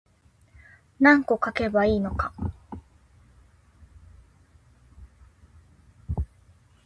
何個書けばいいのか